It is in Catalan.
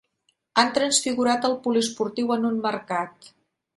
Han transfigurat el poliesportiu en un mercat.